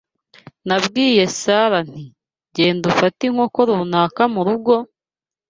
Nabwiye Sara nti, genda ufate inkoko runaka mu rugo,